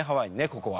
ここは。